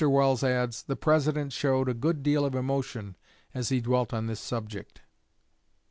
Welles adds: "The President showed a good deal of emotion as he dwelt on this subject."